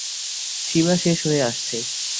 সীমা শেষ হয়ে আসছে।